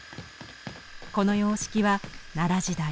この様式は奈良時代